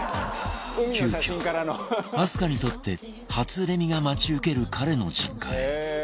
急遽明日香にとって初レミが待ち受ける彼の実家へ